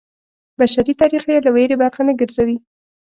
بشري تاریخ یې له ویرې برخه نه ګرځوي.